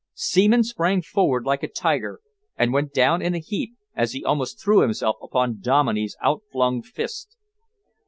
Seaman sprang forward like a tiger and went down in a heap as he almost threw himself upon Dominey's out flung fist.